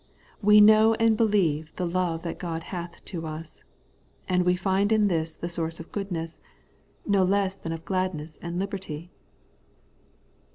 * We know and believe the love that God hath to us ;' and we find in this the source of goodness, no less than of gladness and liberty.